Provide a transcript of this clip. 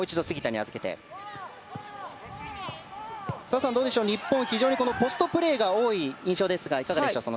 澤さん、どうでしょう日本は非常にポストプレーが多い印象ですがその点、いかがでしょう？